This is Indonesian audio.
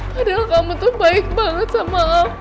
padahal kamu tuh baik banget sama